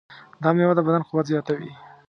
دا مېوه د بدن قوت زیاتوي.